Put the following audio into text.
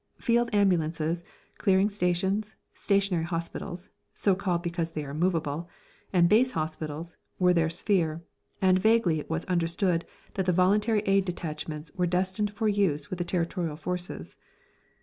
Field ambulances, clearing stations, stationary hospitals (so called because they are movable!) and base hospitals were their sphere, and vaguely it was understood that the Voluntary Aid Detachments were destined for use with the Territorial Forces.